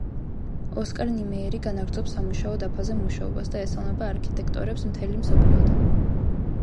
ოსკარ ნიმეიერი განაგრძობს სამუშაო დაფაზე მუშაობას და ესალმება არქიტექტორებს მთელი მსოფლიოდან.